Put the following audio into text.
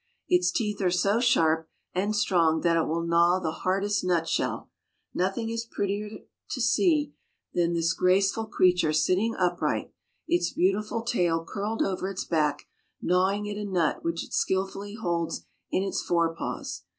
Its teeth are so sharp and strong that it will gnaw the hardest nutshell. Nothing is prettier than to see this graceful creature sitting upright, its beautiful tail curled over its back, gnawing at a nut which it skillfully holds in its fore paws.